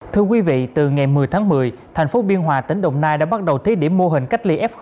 thưa quý vị từ ngày một mươi tháng một mươi thành phố biên hòa tỉnh đồng nai đã bắt đầu thí điểm mô hình cách ly f một